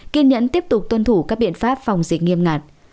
kiên nhẫn tiếp tục tuân thủ các biện pháp phòng dịch nghiêm ngặt